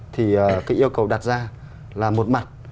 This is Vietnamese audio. thì cái yêu cầu đặt ra là một mặt